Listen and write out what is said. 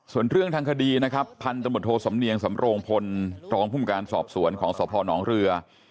ส่วนเรื่องทางคดีนะครับพันธมตโทสำเนียงสำโรงพลรองภูมิการสอบสวนของสพนเรือ